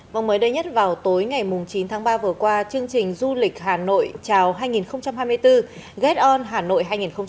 vòng mới đây nhất vào tối ngày chín tháng ba vừa qua chương trình du lịch hà nội chào hai nghìn hai mươi bốn gate on hà nội hai nghìn hai mươi bốn